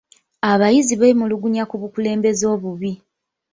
Abayizi beemulugunya ku bukulembeze obubi.